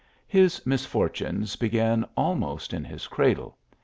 His misfortunes began almost in his cradle.